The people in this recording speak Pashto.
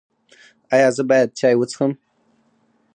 ایا زه باید چای وڅښم؟